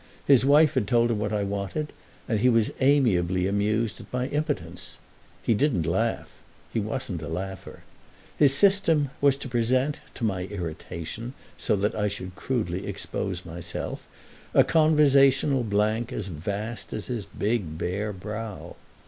His wife had told him what I wanted and he was amiably amused at my impotence. He didn't laugh—he wasn't a laugher: his system was to present to my irritation, so that I should crudely expose myself, a conversational blank as vast as his big bare brow.